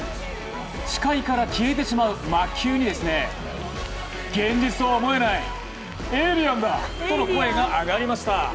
視界から消えてしまう魔球に現実とは思えないエイリアンだとの声が上がりました。